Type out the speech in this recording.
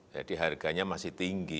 jadi harganya masih tinggi